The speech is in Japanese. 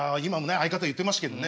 相方言ってましたけどね